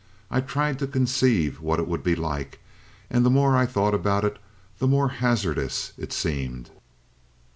I tried to conceive what it would be like, and the more I thought about it, the more hazardous it seemed.